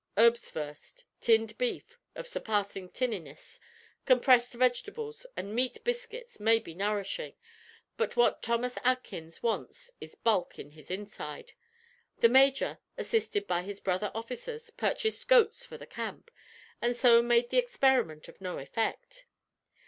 Erbswurst, tinned beef, of surpassing tinniness, compressed vegetables, and meat biscuits may be nourishing, but what Thomas Atkins wants is bulk in his inside. The major, assisted by his brother officers, purchased goats for the camp, and so made the experiment of no effect.